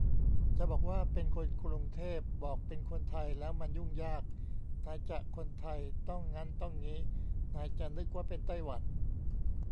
จะบอกว่าเป็น "คนกรุงเทพ" บอกเป็นคนไทยแล้วมันยุ่งยาก ไหนจะคนไทยต้องงั้นต้องงี้ ไหนจะนึกว่าเป็นไต้หวัน